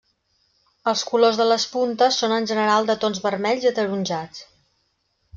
Els colors de les puntes són en general de tons vermells i ataronjats.